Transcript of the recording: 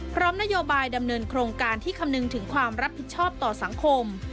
พร้อมนโยบายดำเนินโครงการที่คำนึงถึงความรับผิดชอบต่อสังคม